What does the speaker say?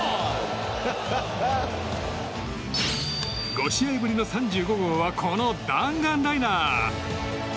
５試合ぶりの３５号はこの弾丸ライナー。